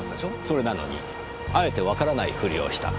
それなのにあえてわからないふりをした。